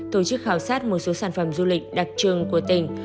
tổ chức khảo sát một số sản phẩm du lịch đặc trưng của tỉnh